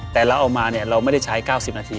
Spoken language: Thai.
แต่เราเอามาเราไม่ได้ใช้๙๐นาที